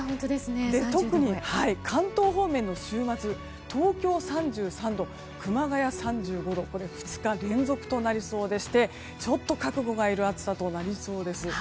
特に、関東方面の週末は東京、３３度熊谷、３５度２日連続となりそうでしてちょっと覚悟がいる暑さとなりそうです。